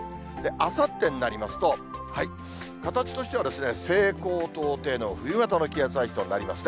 あさってになりますと、形としては西高東低の冬型の気圧配置となりますね。